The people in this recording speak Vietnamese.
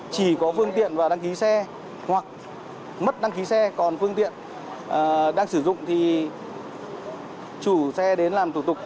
chỉ có phương tiện và đăng ký xe hoặc mất đăng ký xe còn phương tiện đang sử dụng thì chủ xe đến làm thủ tục